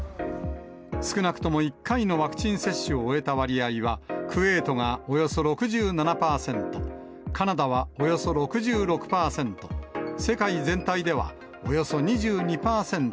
少なくとも１回のワクチン接種を終えた割合は、クウェートがおよそ６７％、カナダはおよそ６６％、世界全体ではおよそ２２％。